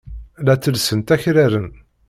La ttellsent akraren.